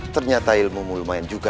ternyata ilmu lumayan juga